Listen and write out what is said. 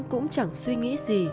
cũng chẳng suy nghĩ gì